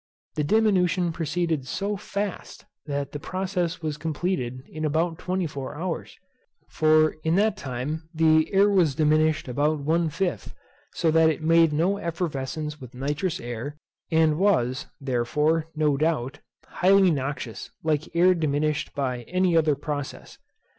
The diminution proceeded so fast, that the process was completed in about twenty four hours; for in that time the air was diminished about one fifth, so that it made no effervescence with nitrous air, and was, therefore, no doubt, highly noxious, like air diminished by any other process.